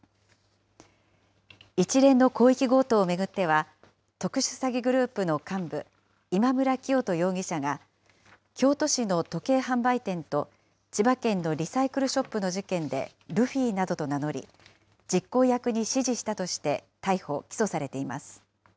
一連の広域強盗を巡っては、特殊詐欺グループの幹部、今村磨人容疑者が、京都市の時計販売店と千葉県のリサイクルショップの事件で、ルフィなどと名乗り、実行役に指示したとして逮捕・起訴されています。